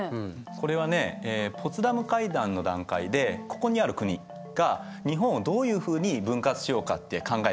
これはねポツダム会談の段階でここにある国が日本をどういうふうに分割しようかって考えたプランなんだ。